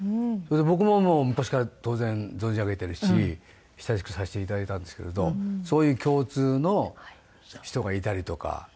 それで僕ももう昔から当然存じ上げてるし親しくさせて頂いたんですけれどそういう共通の人がいたりとか。